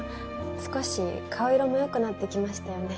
少し顔色も良くなってきましたよね。